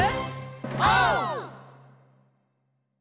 オー！